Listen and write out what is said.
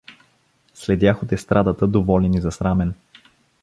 Следях от естрадата доволен и засрамен.